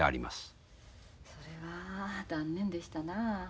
それは残念でしたなあ。